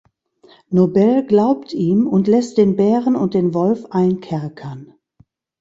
Nobel glaubt ihm und lässt den Bären und den Wolf einkerkern.